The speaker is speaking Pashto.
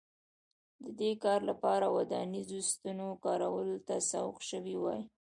د دې کار لپاره ودانیزو ستنو کارونو ته سوق شوي وای